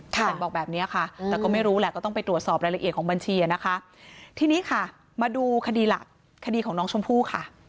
แต่บอกแบบนี้ค่ะแต่ก็ไม่รู้แหละก็ต้องไปตรวจสอบรายละเอียดของบัญชีนะคะทีนี้ค่ะมาดูคดีหลักคดีของน้องชมพู่ค่ะ